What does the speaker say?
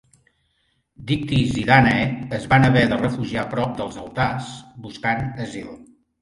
Dictis i Dànae es van haver de refugiar prop dels altars, buscant asil.